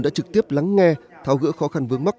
đã trực tiếp lắng nghe tháo gỡ khó khăn vướng mắt